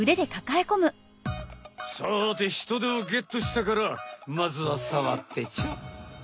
さてヒトデをゲットしたからまずはさわってちょ。